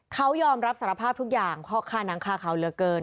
เขายอมรับสารภาพทุกอย่างเพราะค่านังคาขาวเหลือเกิน